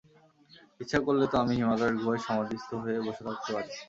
ইচ্ছা করলে তো আমি হিমালয়ের গুহায় সমাধিস্থ হয়ে বসে থাকতে পারি।